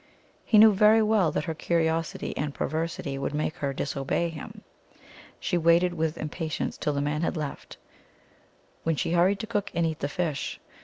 He knew very well that her curiosity and perversity would make her disobey him. She waited with impa tience till the man had left, when she hurried to cook and eat the fish.